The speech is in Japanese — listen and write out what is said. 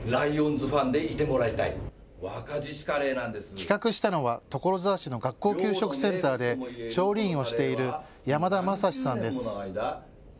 企画したのは所沢市の学校給食センターで調理員をしている山田雅士さんです。